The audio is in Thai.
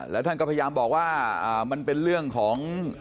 แล้วท่านก็พยายามบอกว่ามันเป็นเรื่องของ